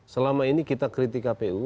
selama ini kita kritik kpu